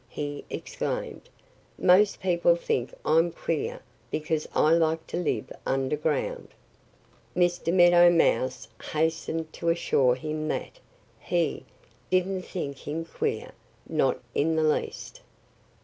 he exclaimed. "Most people think I'm queer because I like to live underground." Mr. Meadow Mouse hastened to assure him that he didn't think him queer not in the least!